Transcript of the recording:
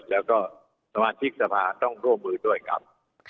แล้วก็สมาชิกสภาต้องร่วมมือด้วยครับ